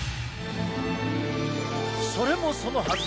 それもそのはず